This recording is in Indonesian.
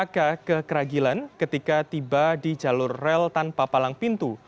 mereka ke keragilan ketika tiba di jalur rel tanpa palang pintu